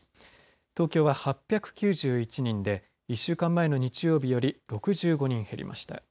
東京は８９１人で１週間前の日曜日より６５人減りました。